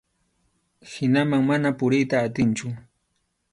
Hinaman mana puriyta atinchu.